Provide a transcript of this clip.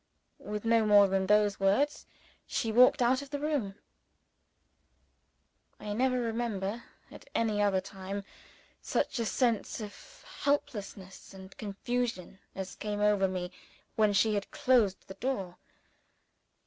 With no more than those words, she walked out of the room. I never remember, at any other time, such a sense of helplessness and confusion as came over me when she had closed the door.